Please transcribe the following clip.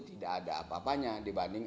tidak ada apa apanya dibanding